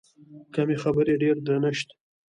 کمې خبرې، ډېر درنښت.